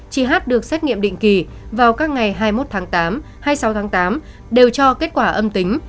chị h được xét nghiệm định kỳ vào các ngày hai mươi một tháng tám hai mươi sáu tháng tám đều cho kết quả âm tính